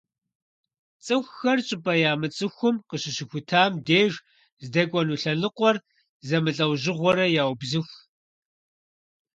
ЦӀыхухэр щӀыпӀэ ямыцӀыхум къыщыщыхутам деж здэкӀуэну лъэныкъуэр зэмылӀэужьыгъуэурэ яубзыху.